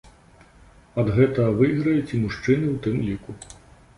Ад гэтага выйграюць і мужчыны ў тым ліку.